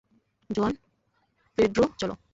জুয়ান, Pedro চলো!